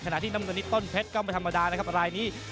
ที่น้ำเงินนี้ต้นเพชรก็ไม่ธรรมดานะครับรายนี้